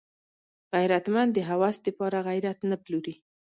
غیرتمند د هوس د پاره غیرت نه پلوري